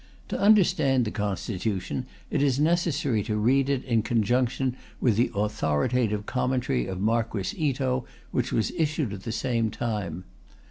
To understand the Constitution, it is necessary to read it in conjunction with the authoritative commentary of Marquis Ito, which was issued at the same time.